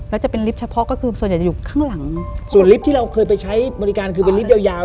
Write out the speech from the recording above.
แล้วจะเป็นลิฟต์เฉพาะก็คือส่วนใหญ่จะอยู่ข้างหลังส่วนลิฟต์ที่เราเคยไปใช้บริการคือเป็นลิฟต์ยาวยาว